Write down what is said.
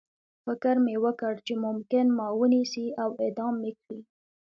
فکر مې وکړ چې ممکن ما ونیسي او اعدام مې کړي